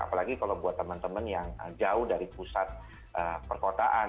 apalagi kalau buat teman teman yang jauh dari pusat perkotaan